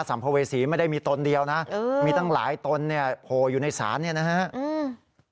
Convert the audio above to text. ัมภเวษีไม่ได้มีตนเดียวนะเออมีตั้งหลายตนเนี่ยโผล่อยู่ในศาลเนี่ยนะฮะอืม